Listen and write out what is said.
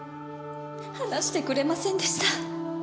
話してくれませんでした。